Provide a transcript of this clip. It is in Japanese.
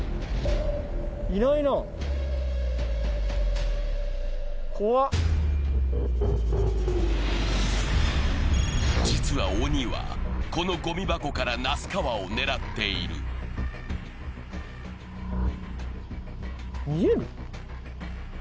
いないな実は鬼はこのゴミ箱から那須川を狙っている見えんの？